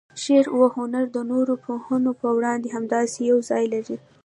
شعر و هنر د نورو پوهنو په وړاندې همداسې یو ځای لري.